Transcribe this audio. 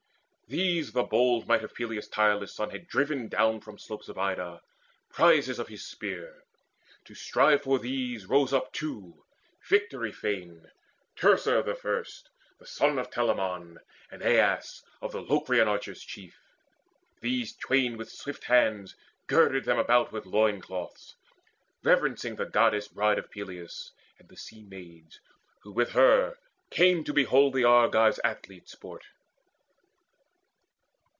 These the bold might Of Peleus' tireless son had driven down From slopes of Ida, prizes of his spear. To strive for these rose up two victory fain, Teucer the first, the son of Telamon, And Aias, of the Locrian archers chief. These twain with swift hands girded them about With loin cloths, reverencing the Goddess bride Of Peleus, and the Sea maids, who with her Came to behold the Argives' athlete sport.